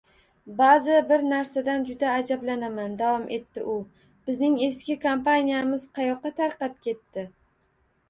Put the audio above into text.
Baʼzida bir narsadan juda ajablanaman, – davom etdi u, – bizning eski kompaniyamiz qayoqqa tarqab ketdi?